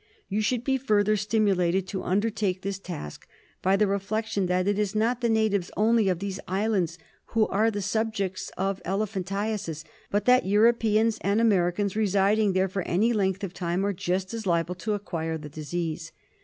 You should be further stimulated to undertake this task by the reflection that it is not the natives only of these islands who are the subjects of elephantiasis, but that Europeans and Ameri cans residing there for any length of time are just as liable to acquire the disease.